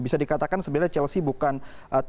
bisa dikatakan sebenarnya chelsea bukan tim yang terhadap luka